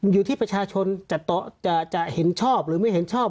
อยู่ที่ประชาชนจะเห็นชอบหรือไม่เห็นชอบ